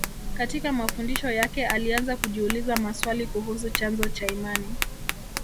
Katika mafundisho yake alianza kujiuliza maswali kuhusu chanzo cha imani